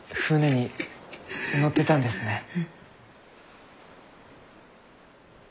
船に乗ってたんですね。